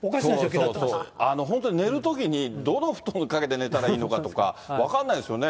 そうそう、本当に寝るときにどの布団かけて寝たらいいのかって、分かんないですよね。